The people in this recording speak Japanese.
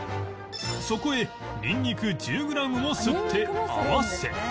そこへニンニク１０グラムもすって合わせ